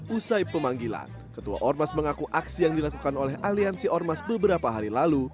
usai pemanggilan ketua ormas mengaku aksi yang dilakukan oleh aliansi ormas beberapa hari lalu